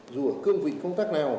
dù ở cương vị công tác nào